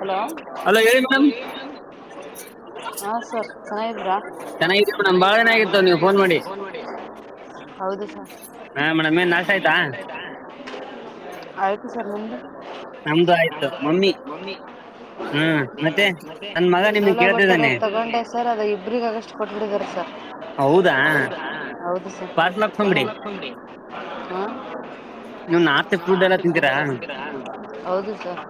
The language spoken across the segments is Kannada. ಹಲೋ ಹಲೋ ಹೇಳಿ ಮ್ಯಾಮ್. ಹಾ ಸರ್ ಚೆನ್ನಾಗಿದೀರಾ. ಚೆನ್ನಾಗಿ ಇಡೀವಿ ಮೇಡಂ ಬಾಳ ದಿನ ಆಗಿತ್ತು ನೀವ್ ಫೋನ್ ಮಾಡಿ. ಹೌದು ಸರ್ ಹಾ ಮೇಡಂ ಏನ ನಾಷ್ಟ ಆಯ್ತಾ ಆಯ್ತು ಸರ್ ನಿಮ್ದು. ನಮ್ದು ಆಯ್ತು [unintelligible] ಮಮ್ಮಿ ಹ್ಮ್ ಹುಂ ಮತ್ತೆ ನನ್ ಮಗ ನಿಮ್ಗೆ ಚಲೋ ಬರ್ತಾರ ಕೇಳ್ತಿದ್ದಾನೆ ಅಂತ ತಗೊಂಡ್. [unintelligible] ಸರ್ ಅದು ಇಬ್ಬರಿಗಾಗಷ್ಟು ಕೊಟ್ಟ ಬೀಟಿದಾರೆ ಸರ್. ಹೌದಾ ಹೌದ ಹೌದು ಸರ್ ಪಾರ್ಸಲ್ ಹಾಕ್ಸ್ಕೊಂಬಿಡಿ [unintelligible] ಕುಂಡಿ ಹಾ. ನೀವು ನಾರ್ತ್ ಫುಡ್ ಎಲ್ಲ ತಿಂತೀರಾ ಹ್ಮ್ [unintelligible] ಹೌದು ಸರ್.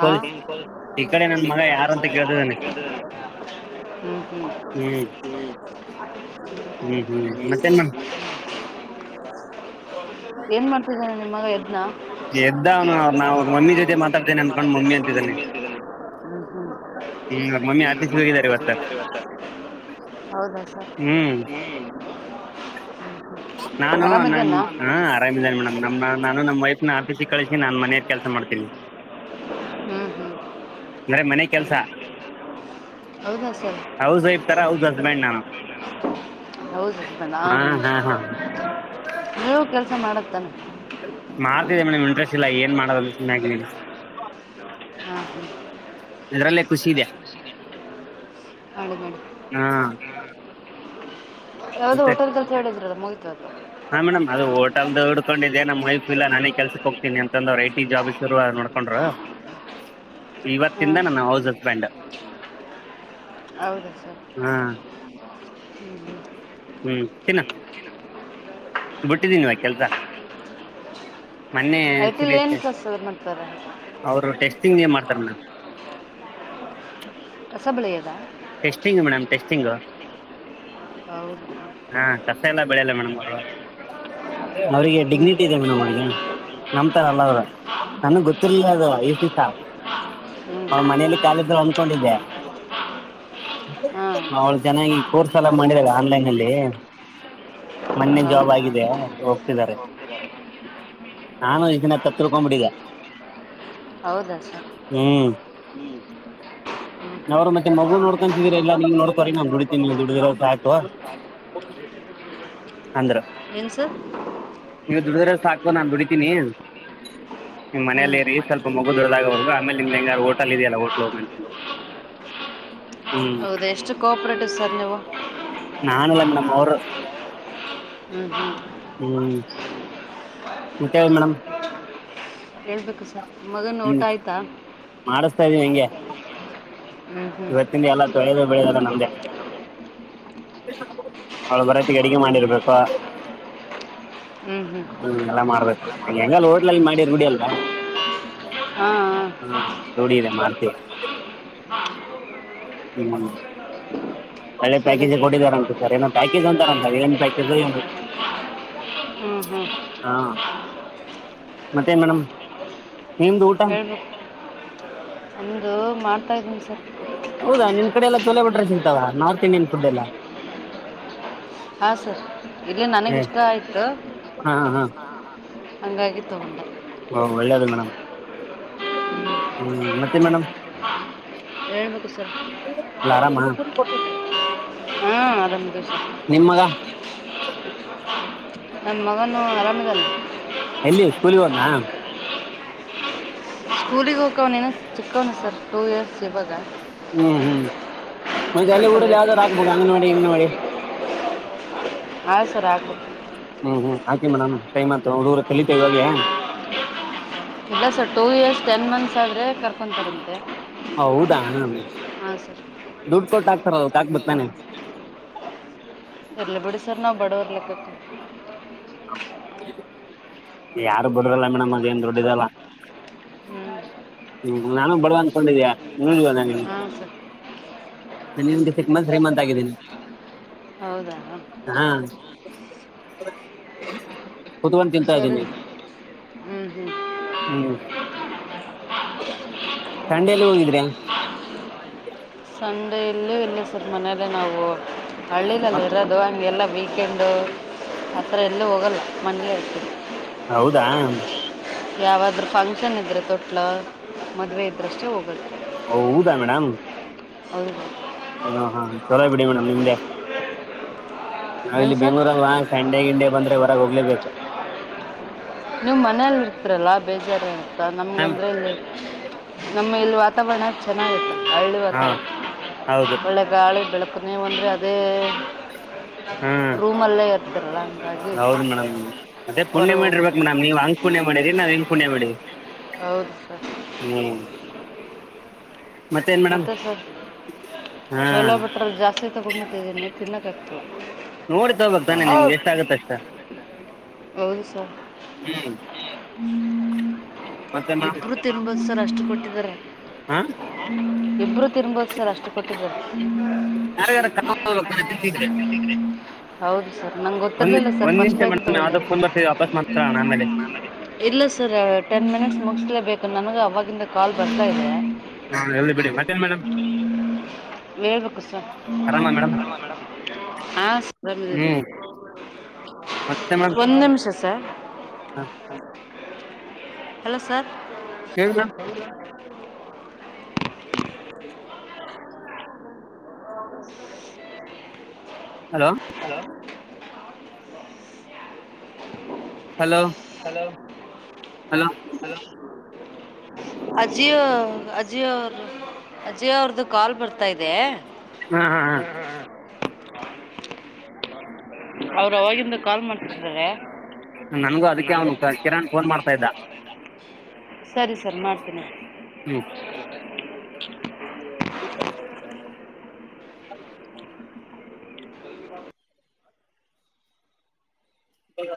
ಹ ಪೊಲೀಸ್ ಡಿಂಪಲ್ ಈ ಕಡೆ ಮಗ [unintelligible] ನನ್ ಯಾರಂತ ಮಗಾ ಯಾರು ಅಂತ ಕೇಳ್ತಿದ್ದಾನೆ ಕೇಳ್ತಿದಾನೆ ಹ್ಮ ಹ್ಮ. ಹ್ಮ್ ಹ್ಮ್. ಮತ್ತೇನ್ ಮೇಡಮ್ ಏನ್ ಮಾಡ್ತಿದ್ದೇನೆ ನಿಮ್ಮ ಮಗ ಯದ್ನ. ಎದ್ದ ಅವನು ಅವ್ ನಾ ಮಮ್ಮಿ ಜೊತೆ ಮಾತಾಡ್ತೇನೆ ಅನ್ಕೊಂಡು ಮಮ್ಮಿ ಅಂತಿದ್ದಾನೆ. ಹ್ಮ ಹ್ಮ ಹ್ಮ್ ಅವ್ರ ಈಗ ಅವರ ಆಫೀಸ್ಗೆ ಮಮ್ಮಿ ಹೋಗಿದ್ದಾರೆ ಆಚೆ ಕಡೆ ಇವತ್ತು ಹೋಗಿದರೆ ಇವತ್ತ್. ಹ್ಮ್ [unintelligible] ಹ್ಮ. ನಾನು ನ ಹ ಆರಾಮಿದ್ದೇನೆ ಮೇಡಮ್ ನಮ ನಾನು ನಮ್ ವೈಫ್. ನ ಆಫೀಸಿಗೆ ಕಳಿಸಿ ನಾನ್ ಮನೆಲ್ಲಿ ಕೆಲಸ ಮಾಡ್ತೀನಿ. ಹ್ಮ್ ಹ್ಮ್. ಅಂದ್ರೆ ಮನೆ ಕೆಲಸ ಹೌದಾ ಸರ್ ಹೌಸ್ ವೈಫ್ ತರ ಹ್ಮ್ಮ್. ಹೌಸ್ ಹಸ್ಬೆಂಡ್ ನಾನು [unintelligible] ಹೌದು [unintelligible] ಹಾ ಹಾ ಹಾ ನೀವು ಕೆಲ್ಸ ಮಡದತ್ತಾನೆ. ಮಾಡ್ತಿದ್ದೇ ಮೇಡಮ್ ಇಂಟ್ರೆಸ್ಟ್ ಇಲ್ಲ ಏನ್ ಮಾಡೋದ ಸುಮ್ನೆ ಆಗಿನಿ. [unintelligible] ಇದರಲ್ಲೇ ಖುಷಿ ಇದೆ. ಹೌದ ಮಾಡ. ಹಾ [unintelligible] ಯಾವ್ದೋ ಮತ್ತೆ ಹೋಟೆಲ್ ಕತೆ ಹೇಳಿದಿರಿ ಅಲಾ ಮುಗಿತಾ. ಹಾ ಮೇಡಮ್ ಅದು ಹೋಟಲ್ದ ಹುಡ್ಕೊಂಡಿದ್ದೇ ವೈಫ್ ಇಲ್ಲಾ ನಾನೇ ಕೆಲ್ಸಕ್ ಹೋಗ್ತೀನಿ. ಹೋಟೆಲ್ ದವರ ಐ ಟಿ ಜಾಬ್ [unintelligible] ನೋಡ್ಕೊಂಡ್ರ. ಹಾ. ಹೌದಾ ಸರ್ ಹಾ ಹ. ಹ್ಮ್ ತಿನ್ನ ಬಿಟ್ಟಿದ್ದೀನ ಅಲ್ಲ ಕೆಲ್ಸ. ಮೊನ್ನೆ. ಐ ಟಿಲಿ ಏನು [unintelligible] ಕೆಲಸ ಮಾಡ್ತಾರೆ ಅವರು ಟೆಸ್ಟಿಂಗ್ ಗೆ ಮಾಡ್ತಾರೆ ಮೇಡಂ. ಸಬ್ [unintelligible] ರಾ. ಟೆಸ್ಟಿಂಗ್ ಮೇಡಮ್, ಟೆಸ್ಟಿಂಗ್ ಹಾ ಕಸ ಹೌದು ಎಲ್ಲ ಬೆಳೆಯಲ್ಲ ಮೇಡಮ್ ಅವರು ಹ್ಮ ಅವರಿಗೆ ಡಿಗ್ನಿಟಿ ಇದೆ [unintelligible] ಮೇಡಮ್ ನಮ್ತಾರಲ್ಲ ಅವ್ರರು ನನಗ್ ಗೊತ್ತಿರ್ಲಿಲ್ಲ ಅದು ಈಸ ದಿವಸ. ಹ್ಞೂ ಅವ ಮನೇಲಿ ಕಾಲಿದ್ರು ಅಂದ್ಕೊಂಡಿದ್ದೆ. ಹಾಂ ಅವಳ ಜನಾಗಿ ಕೋರ್ಸ್ ಎಲ್ಲ ಮಾಡಿದ [unintelligible] ಆನ್ಲೈನ್ನಲ್ಲಿ ಮೊನ್ನೆ ಜಾಬ್ ಹೌದಾ ಆಗಿದೆ ಹೋಗ್ತಿದ್ದಾರೆ. ಹೋಗ್ತಿದ್ದಾರೆ ನಾನು ಇದನ್ನ ತಪ್ಪು ತಿಳಕೊಂಡಬಿಟ್ಟಿದ್ದೆ. ಹೌದ, ಸರ್ ಹ್ಮ್- ನೋಡ್ರಿ ಮತ್ತೆ ಮಗು ನೋಡ್ಕೊಂತತಿದೀರಿ. ಎಲ್ಲಾ ನೀವ್ ನೋಡ್ಕೋರೀ ನಾನ್ ದುಡಿತೀನ ನೀವ್ ದುಡಿದಿರದು ಆಯ್ತು. ಅಂದ್ರ ಏನು ಸರ್ ನೀವು ದುಡಿದ್ರ ಸಾಕು ನಾನ್ ದುಡಿತೀನಿ ನೀವ್ ಹ್ಞೂ ಮನೇಲಿ ಇರ್ರಿ ಸ್ವಲ್ಪಮಗು ದೊಡ್ಡದಾಗೋವರ್ಗು. ಆ ಮೇಲೆ ನಿಮ್ ಹೆಂಗಾರ ಹೋಟಲ್ ಇದೆಯಲ್ಲ ಹೋಟ್ಲ್ ಹೋಗೋ ಅಂತೀರಿ. ಹೌದಾ, ಎಷ್ಟು ಕೋಆಪ್ರೇಟಿವ್ ಸರ್ ನೀವು ನಾನಲ್ಲ ಮೇಡಮ್ ಅವರು ಹ್ಮ್, ಹ್ಮ್- ಹ್ಮ್, ಮತ್ತ ಮೇಡಮ್- ಹೇಳ್ಬೇಕು ಸರ್ ಮಗನ್ ಊಟ ಹ್ಮ್ ಆಯ್ತಾ. ಇವತ್ತಿನಿ ಎಲ್ಲ ತೊಳದು ಬೆಳದ ನಮ್ದೇ ಅವಳ ಬರ ಅಡಿಗೆ ಮಾಡಿರ್ಬೇಕಾ ಹ್ಞೂ ಹ್ಞೂ ಹ್ಮ್, ಎಲ್ಲ ಮಾಡ್ಬೇಕಲ್ಲ ಹೋಟ್ಲಲ್ಲಿ ಮಾಡಿ ರೂಡಿ ಅಲ್ವಾ ಹಾಂ ಹಾಂ ಹಾ, ರೂಡಿ ಇದೆ ಮಾಡ್ತೀವಿ. ಹ್ಮ್, ಒಳ್ಳೆ ಸರಿ ಪ್ಯಾಕೇಜ್ ಸರಿ [unintelligible] ಕೊಟ್ಟಿದಾರಂತೆ ಸರ್ ಏನೋ ಪ್ಯಾಕೇಜ್ ಅಂತಾರಂತ ಏನ್ ಪ್ಯಾಕೇಜ್ ಏನು ಹ್ಮ ಹ್ಮಂ [inaudible] ಮತ್ತೆ ನ್ ಮೇಡಮ್ ನಿಮ್ದು ಊಟ, ಹೇಳ್ಬೇಕು ಒಂದು ಮಾಡ್ತಾಯಿದ್ದೀನಿ ಸರ್ ಹೌದಾ, ನಿಮ್ ಕಡೆ ಎಲ್ಲ ಚಛ [unintelligible] ಲ ಬಟ್ರೆ ಸಿಗ್ತಾವ ನಾರ್ತ್ ಇಂಡಿಯನ್ ಫುಡ್ ಎಲ್ಲ ಹಾ, ಸರ್ ಇಲ್ಲಿ ನನಗ್ ಹ್ಮ್ ಇಷ್ಟ ಆಯ್ತು. ಹಾ ಹಾ ಹಂಗಾಗಿ ತಗೊಂಡೆ. ಓಂ, ಒಳ್ಳೇದು ಮೇಡಮ್. ಹ್ಮ್, ಮತ್ತೆ ಮೇಡಮ್ ಹೇಳ್ಬೇಕು ಸರ್ ಎಲ್ಲ ಆರಾಮ ಹಾ, ಆರಾಮಿದಿವಿ ಸರ್ ನಿಮ್ ಮಗ ನನ್ನ ಮಗನು ಅರಾಮಿದಾನೆ ಎಲ್ಲಿ ಸ್ಕೂಲಿಗೆಒದ್ನಾ ಸ್ಕೂಲಿಗೆ ಹೋಗಕವ್ ಏನ ಚಿಕ್ಕವನು ಸರ್ ಟೂ ಇಯರ್ಸ್ ಇವಾಗ. ಹ್ಮ್, ಹ್ಮ್ ಮತ್ತೆ ಅಲ್ಲಿ ಸ್ವಲ್ಪ ಊರಲ್ಲಿ ಲೇಟ್ ಯಾವ್ದಾದ್ರು ಆಗ್ಬೇಕು. ಅಂಗನವಾಡಿ -ಗಿಂಗನವಾಡಿ ಹಾಂ ಸರ್ ಆಗ್ಬೇಕು ಹ್ಮ್, ಹ್ಮ್ ಆಯ್ತ ಮೇಡಮ್ ಟೈಮ್ತ್ ಹುಡುರ ಚಲಿತ ಇವಾಗ [unintelligible] ಇಲ್ಲ sir two years ten months ಆದರೆ - ಫನ್ಂತರಂದ ಹೌದಾ ಹ ಸರ್ [unintelligible] ದುಡ್ಡು ಕೊಟ್ಟು ಹಾಕ್ತಾರ ಅದಕ್ ಹಾಕ್ಬೇಕ್ ಹ ತಾನೆ [inaudible] ಹ [unintelligible] ಯಾರು ಬಿಡೋದಿಲ್ಲ ಮೇಡಮ್ ಅದೇನ್ ದೊಡ್ಡದಿರಲ್ಲ ಹ್ಞೂ ಹ್ಮ್, ನಾನು ಬಡ ಅಂದಕೊಂಡಿದೀಯ ನುವ [unintelligible] ನೀನು ನಾನು ಹಾಂ ಸರ್ ನಿಂಗೆ ಸಿಕ್ ಮಂತ್ ತ್ರೀ ಮಂತ್ ಆಗಿದ್ದೀನಿ. ಹೌದಾ ಹಾ, ಕುತ್ಕೊಂಡ್ ತಿಂತಾ ಸರಿ, ಇದ್ದೀನಿ ಹ್ಮ್, ಹ್ಮ್ ಹ್ಮ್ - ಸಂಡೇೆಯಲ್ಲಿ ಹೋಗಿದ್ರೆ, ಇಲ್ಲಿ ಇಲ್ಲಿ ಸರ್ ಮನೇಲಿ ನಾವು ಹಳ್ಳಿಲ್ಲಿ ಇರೋದು ಹಂಗೆಲ್ಲ. ವೀಕೆಂಡು ಆ ಥರ ಎಲ್ಲೂ ಹೋಗಲ್ಲ ಮನೆಯಲಿ ಇರ್ತೀವಿ ‌. ಹೌದಾ, ಯಾವಾದ್ರೂ ಫಂಕ್ಷನ್ ಇದ್ರೆ ತೊಟ್ಲ ಮದುವೆ ಇದ್ರಷ್ಟೇ ಹೋಗೋದು. ಹೌದ ಮೇಡಮ್ ಹೌದು ಹ ಹಾ ಚಲೋ ಬಿಡಿ ಮೇಡಮ್ ನಿಮ್ದೆ ಇಲ್ಲಿ ಏನು ಸರ್ ಬೆಂಗಳೂರ ಅಲ್ಲ ಸಂಡೆ ಗಿಂಡೇ ಬಂದ್ರೆ ಹೊರಗೆ ಹೋಗ್ಲೇಬೇಕು ನೀವು ಮನೇಲಿ ಇರ್ತರಲ್ಲ್ ಬೇಜಾರ ಏನಪ್ಪ ನಮ್ಗಂದ್ರೆ ಹಾ ಇ ಇಲ್ಲಿ ವಾತಾವರಣ ಚೆನ್ನಾಗಿತ್ತು ಹಳ್ಳಿ ವಾತಾವರಣ ಹೌದು ಒಳ್ಳೆ ಗಾಳಿ ಬೆಳಕು ನೀವು ಅಂದ್ರೇ ಅದೇ ಹ್ಮ್ ರೂಮಲ್ಲೇ ಇರ್ತಿರಲ್ಲ ಹಾಗಂಗಿ ಹೌದು ಹೊರಗೆ ಹೋಗ್ಬಿಟ್ಟ್ ನೀವು ಹಂಗ್ ಪುಣ್ಯ ಮಾಡಿದ್ರರಿ ನಾವು ಹಿಂಗ್ ಪುಣ್ಯ ಮಾಡಿದ್ವಿ ಹೌದು ಸರ್ ಹ್ಮ್ ಮತ್ತೇನ್ ಮೇಡಮ್ ಮತ್ತೆ ಸರ್ ಹಾ ಚೋಲೋ ಬಟ್ಟ್ರೀ ಜಾಸ್ತಿ ತಗೊಂಡುಬಿಟ್ಟಿದ್ದೀನಿ ತಿನ್ನಕ್ಕಾ ಆಗತ್ತಿಲ್ಲ. ನೋಡಿ ತಗೋಬೇಕ್ ತಾನೆ ನಿನಗೆ ಎಷ್ಟ್ ಆಗತ್ತೆ ಅಷ್ಟು ಹ್ಮ್ ಹ್ಮ್ ಮತ್ತೆ ಮೇಡಮ್ ಇಬ್ಬರು ತಿನ್ಬೋದು ಸರ್ ಅಷ್ಟು ಕೊಟ್ಟಿದ್ದಾರೆ. ಹಾ ಹ್ಮ್ ಇಬ್ಬರ್ ತಿನ್ನಬಹುದು ಸರ್ ಅಷ್ಟು ಕೊಟ್ಟಿದ್ದಾರೆ. ಯಾರ್ಯಾರ ಕರ್ಕೊಂಡು ಹೋಗ್ಬೇಕು ತಾನೆ ತಿಂತಿದ್ರೆ ಹೌದು ಸರ್ ನಂಗ್ ಒಂದ್ ಗೊತ್ತಿರಲಿಲ್ಲ ಸರ್ ಒಂದ್ ಫಸ್ಟ್ ನಿಮಿಷ ಟೈಮ್ ಮೇಡಮ್ ತೊಗೊಂಡೆ. ಯಾವ್ದೋ ಫೋನ್ ಬರ್ತೀವಿ ವಾಪಸ್ ಮಾತಾಡೋಣ ಆಮೇಲೆ [unintelligible] ಇಲ್ಲ ಸರ್ ಟೆನ್ ಮಿನಿಟ್ಸ್ ಮುಗಸಲೇಬೇಕ್. ನಮಗ ಅವಾಗಿಂದ ಕಾಲ್ ಬರ್ತಾ ಇದೆ. ಹ್ಮ ಇರ್ಲಿ ಬಿಡಿ ಮತ್ತೇನ್ ಮೇಡಮ್ ಹೇಳ್ಬೇಕು ಸರ್ ಆರಾಮ ಮೇಡಮ್ ಆರಾಮ ಮೇಡಂ ಆ ಸ್ [unintelligible] ಹ್ಮ್ ಮತ್ತೆ ಮೇಡಮ್ ಒಂದು ನಿಮಿಷ ಸರ್ ಹಲೋ ಸರ್ [unintelligible] ಹೇಳಿ madam hello hello hello hello Ajio Ajio ಅವರು ಅಜಿಯೋ ಅವರದು ಕಾಲ್ ಬರ್ತಾ ಇದೆ. ಹಾ ಹಾ ಹಾ ಹ ಅವರು ಅವಾಗಿಂದ ಕಾಲ್ ಮಾಡತ್ತಿದ್ದಾರೆ ಅದಕ್ಕೆ ನನಗೂ ಅವನು ಕಿರಣ್ ಫೋನ್ ಮಾಡ್ತಾ ಇದ್ದ [unintelligible] ಸರಿ ಸರ್ ಮಾಡ್ತೀನಿ ಹ್ಮ್ [unintelligible] [unintelligible] [unintelligible] ಹಲ್